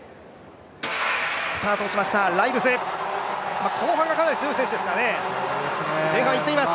ライルズ、後半がかなり強い選手ですからね、前半いっています。